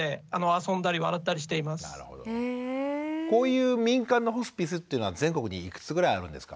こういう民間のホスピスっていうのは全国にいくつぐらいあるんですか？